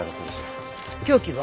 凶器は？